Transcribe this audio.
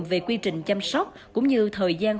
về quy trình chăm sóc cũng như thời gian